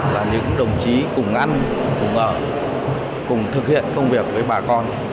và những đồng chí cùng ăn cùng ở cùng thực hiện công việc với bà con